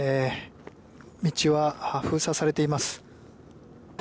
道は封鎖されています。